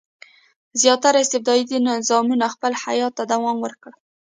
زیاتره استبدادي نظامونه خپل حیات ته دوام ورکړي.